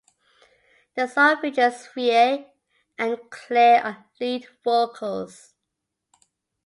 The song features Faye and Claire on lead vocals.